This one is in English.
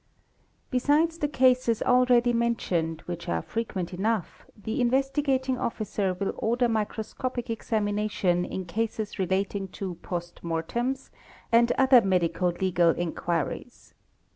Besides the cases already mentioned, which are frequent enough, the "Investigating Officer will order microscopic examination in cases relating to post mortems and other medico legal inquiries.